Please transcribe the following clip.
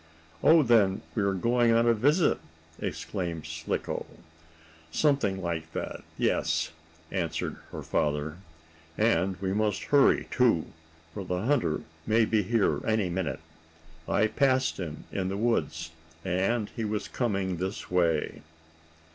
"Oh, then we are going on a visit!" exclaimed Slicko. "Something like that, yes," answered her father. "And we must hurry, too, for the hunter may be here any minute. I passed him in the woods, and he was coming this way."